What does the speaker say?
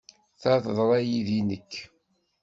Ta teḍra-iyi i nekk.